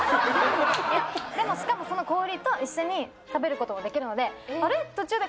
でもしかもその氷と一緒に食べることもできるので。